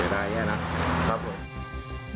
โอ้โหเดี๋ยวได้เนี่ยนะครับผม